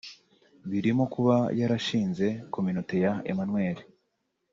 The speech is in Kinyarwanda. birimo kuba yarashinze Communaute ya Emmanuel